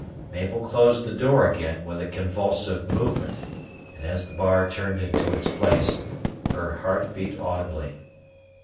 Mabel closed the door again, with a convulsive movement; and as the bar turned into its place, her heart beat audibly.